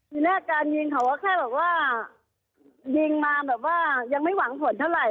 ทีแรกการยิงเขาก็แค่แบบว่ายิงมาแบบว่ายังไม่หวังผลเท่าไหร